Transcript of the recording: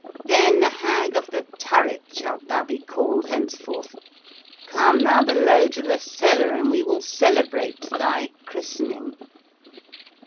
" Then, Hag of the Turret shalt thou be called henceforth. Come thou below to the cellar and we will cele brate thy christening.